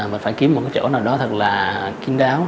mình phải kiếm một chỗ nào đó thật là kiên đáo